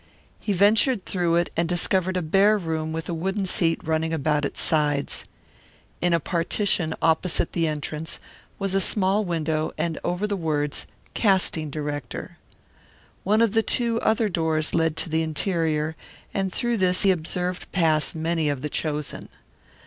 He ventured through it and discovered a bare room with a wooden seat running about its sides. In a partition opposite the entrance was a small window and over it the words "Casting Director." One of the two other doors led to the interior, and through this he observed pass many of the chosen.